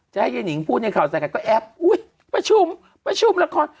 จะให้เย้นิงพูดให้เขาใส่กันก็แอบประชุมประชุมละคร